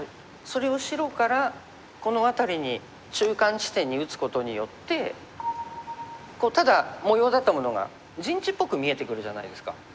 それを白からこの辺りに中間地点に打つことによってただ模様だったものが陣地っぽく見えてくるじゃないですか。